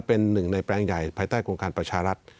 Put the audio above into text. เป็นหนึ่งในแปลงใหญ่ภายใต้โครงการประชารัฐ